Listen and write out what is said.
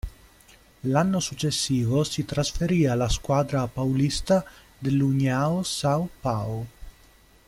L'anno successivo si trasferì alla squadra paulista dell'União São João.